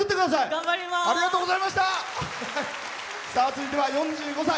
続いては４５歳。